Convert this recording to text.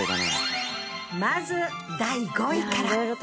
まず第５位から。